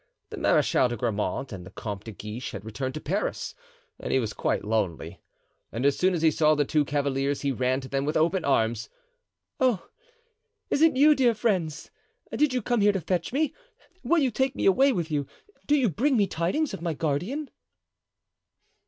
The Marechal de Grammont and the Comte de Guiche had returned to Paris and he was quite lonely. And as soon as he saw the two cavaliers he ran to them with open arms. "Oh, is it you, dear friends? Did you come here to fetch me? Will you take me away with you? Do you bring me tidings of my guardian?"